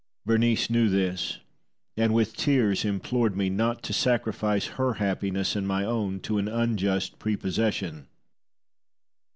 Berenice knew this, and with tears implored me not to sacrifice her happiness and my own to an unjust prepossession.